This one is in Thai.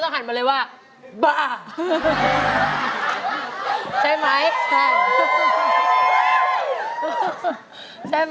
ร้องได้มั้ยล้าว